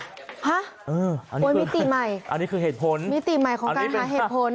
ฮะโอ้ยมิติใหม่มิติใหม่ของการหาเหตุผลอันนี้คือเหตุผล